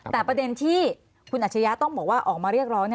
แต่ประเด็นที่คุณอัจฉริยะต้องบอกว่าออกมาเรียกร้อง